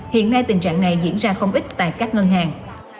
hiện nay tình trạng này diễn ra không ít tại các ngân hàng